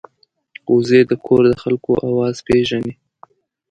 وزې د کور د خلکو آواز پېژني